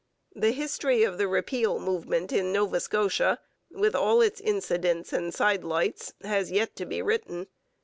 The history of the repeal movement in Nova Scotia, with all its incidents and sidelights, has yet to be written.